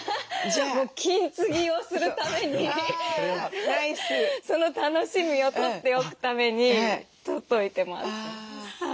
金継ぎをするためにその楽しみを取っておくために取っといてます。